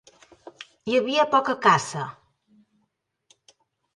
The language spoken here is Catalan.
Hi havia poca caça.